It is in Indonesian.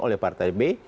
oleh partai b